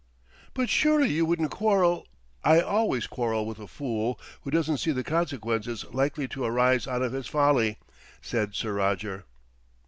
"But surely you wouldn't quarrel " "I always quarrel with a fool who doesn't see the consequences likely to arise out of his folly," said Sir Roger.